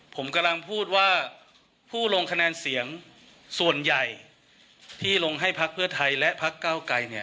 ผมกำลังพูดว่าผู้ลงคะแนนเสียงส่วนใหญ่ที่ลงให้พักเพื่อไทยและพักเก้าไกร